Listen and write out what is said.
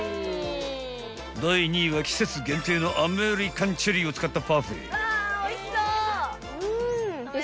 ［第２位は季節限定のアメリカンチェリーを使ったパフェ］